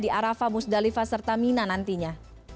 di arafah musdalifah serta mina nantinya